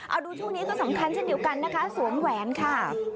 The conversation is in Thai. เอาดูช่วงนี้ก็สำคัญเช่นเดียวกันนะคะสวมแหวนค่ะ